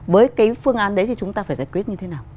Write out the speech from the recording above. với cái phương án đấy thì chúng ta phải giải quyết như thế nào